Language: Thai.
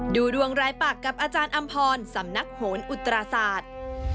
ดูดวงรายปากกับอาจารย์อำพรสำนักโหนอุตราศาสตร์